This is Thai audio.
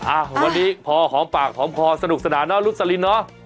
อ่ะวันนี้พอหอมปากหอมคอสนุกสนานเนาะลุสลินเนาะ